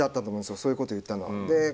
そういうこと言ったのは。